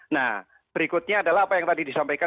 nah berikutnya adalah apa yang tadi disampaikan